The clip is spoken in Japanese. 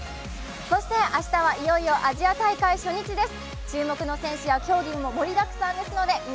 そして明日はいよいよアジア大会初日です。